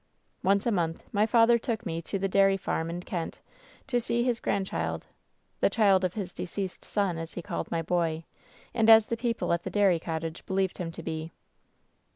"Once a month my father took me to the dairy farm in Kent to see his grandchild — the child of his deceased son,' as he called my boy, and as the people at the dairy cottage believed him to be.